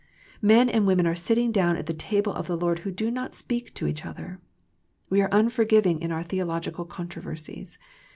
Men and women are sitting down at the table of the Lord who do not speak to each other. We are unforgiving in our theological controversies.